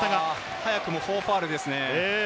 早くも４ファウルですね。